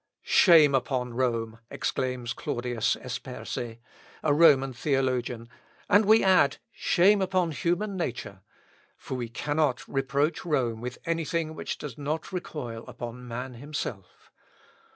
"Shame upon Rome," exclaims Claudius Esperse, a Roman theologian, and we add, Shame upon human nature! for we cannot reproach Rome with anything which does not recoil upon man himself.